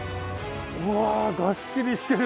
うわがっしりしてる。